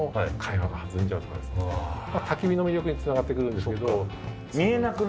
焚き火の魅力に繋がってくるんですけど。